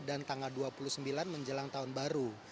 dan tanggal dua puluh sembilan menjelang tahun baru